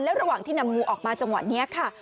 ระหว่างที่นำงูออกมาจังหวะนี้ค่ะ